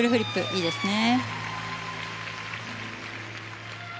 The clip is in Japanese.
いいですね。